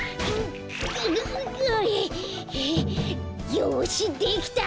よしできた！